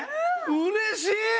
うれしい！